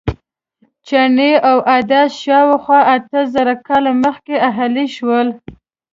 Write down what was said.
چڼې او عدس شاوخوا اته زره کاله مخکې اهلي شول.